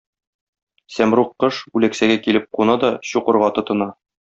Сәмруг кош үләксәгә килеп куна да чукырга тотына.